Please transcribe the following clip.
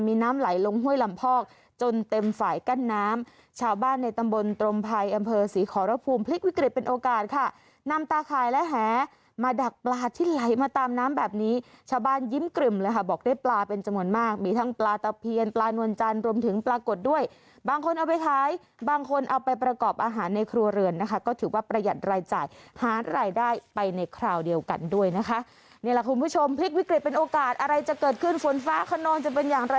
มีน้ำไหลลงห้วยลำพอกจนเต็มฝ่ายกั้นน้ำชาวบ้านในตำบลตรมภัยอำเภอศรีขอรพภูมิพลิกวิกฤตเป็นโอกาสค่ะนำตาข่ายและแหมาดักปลาที่ไหลมาตามน้ำแบบนี้ชาวบ้านยิ้มกรึ่มเลยค่ะบอกได้ปลาเป็นจมนต์มากมีทั้งปลาตะเพียนปลานวลจันทร์รวมถึงปลากฏด้วยบางคนเอาไปท้ายบางคนเอา